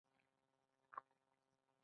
تاسي به د دربار په دروازه کې ما ونیسئ.